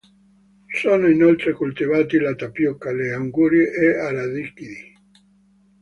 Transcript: Sono inoltre coltivati la tapioca, le angurie e arachidi.